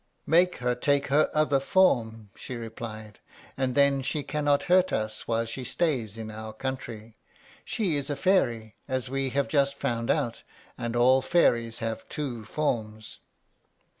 "Make her take her other form," she replied; "and then she cannot hurt us while she stays in our country. She is a fairy, as we have just found out, and all fairies have two forms."